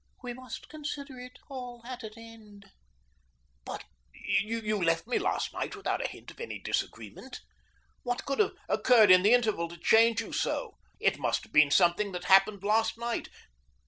"We must consider it all at an end." "But you left me last night without a hint at any disagreement. What could have occurred in the interval to change you so? It must have been something that happened last night.